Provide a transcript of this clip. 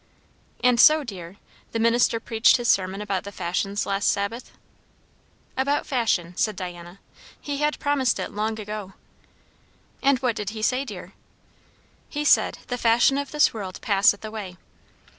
"And so, dear, the minister preached his sermon about the fashions last Sabbath?" "About fashion," said Diana. "He had promised it long ago." "And what did he say, dear?" "He said, 'The fashion of this world passeth away.'"